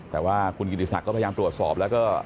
แต่ว่าคุณกิติศักดิ์ก็พยายามตรวจสอบแล้วก็